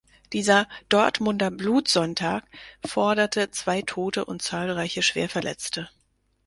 Dieser "Dortmunder Blutsonntag" forderte zwei Tote und zahlreiche Schwerverletzte.